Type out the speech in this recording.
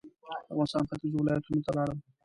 د افغانستان ختيځو ولایتونو ته لاړم.